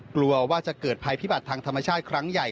กลัวว่าจะเกิดภัยพิบัติทางธรรมชาติครั้งใหญ่